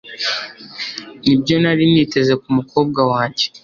Nibyo nari niteze kumukobwa wanjye